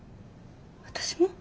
私も？